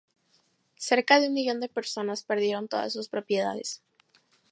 Cerca de un millón de personas perdieron todas sus propiedades.